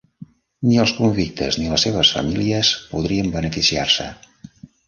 Ni els convictes ni les seves famílies podrien beneficiar-se.